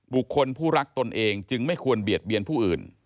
บุคคลผู้รักตนเองจึงไม่ควรเบียดเบียนผู้อื่น